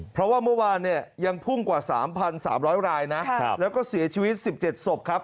เพราะว่าเมื่อวานเนี่ยยังพุ่งกว่า๓๓๐๐รายนะแล้วก็เสียชีวิต๑๗ศพครับ